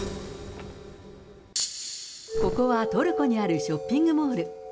ここはトルコにあるショッピングモール。